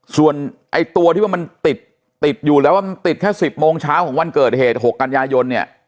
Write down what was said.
ส่วนไอ้ตัวที่ว่ามันติดติดอยู่แล้วว่ามันติดแค่๑๐โมงเช้าของวันเกิดเหตุ๖กันยายนเนี่ย